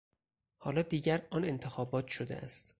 حالا دیگر آن انتخابات شده است.